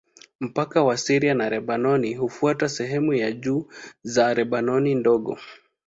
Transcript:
Mpaka wa Syria na Lebanoni hufuata sehemu za juu za Lebanoni Ndogo.